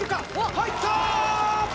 入った！